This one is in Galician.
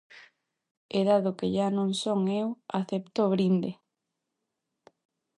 E dado que xa non son eu, acepto o brinde.